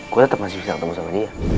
gue tetap masih bisa ketemu sama dia